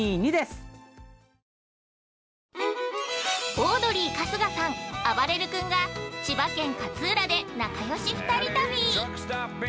◆オードリー春日さん、あばれる君が千葉県勝浦で仲よし２人旅。